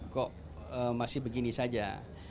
kok masih begini saja